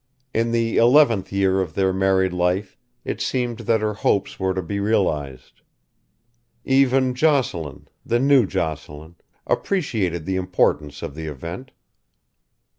In the eleventh year of their married life it seemed that her hopes were to be realised. Even Jocelyn, the new Jocelyn, appreciated the importance of the event.